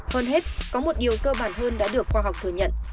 hơn hết có một điều cơ bản hơn đã được khoa học thừa nhận